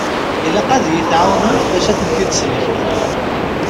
Ilaq ad yi-tɛawnemt bac ad tent-id-sellkeɣ.